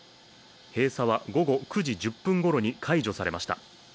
閉鎖は午後９時１０分ごろに解除されました。